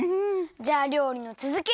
じゃありょうりのつづき！